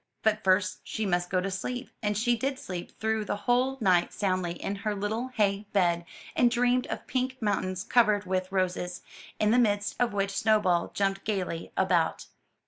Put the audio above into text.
But first she must go to sleep; and she did sleep through the whole night soundly in her little hay bed, and dreamed of pink mountains covered with roses, in the midst of which Snowball jumped gayly about.